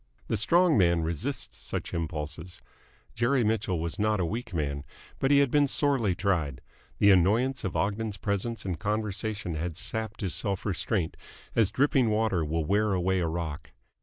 The strong man resists such impulses. Jerry Mitchell was not a weak man, but he had been sorely tried. The annoyance of Ogden's presence and conversation had sapped his self restraint, as dripping water will wear away a rock.